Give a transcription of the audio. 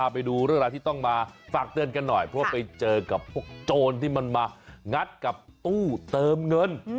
ไปดูเรื่องราวที่ต้องมาฝากเตือนกันหน่อยเพราะว่าไปเจอกับพวกโจรที่มันมางัดกับตู้เติมเงิน